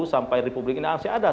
sampai republik indonesia ada